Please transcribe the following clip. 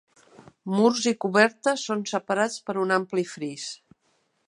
Murs i coberta són separats per un ampli fris.